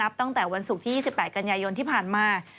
ตั้งแต่วันศุกร์ที่๒๘กันยายนที่ผ่านมา